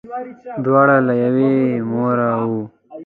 دواړه له یوې موره وه.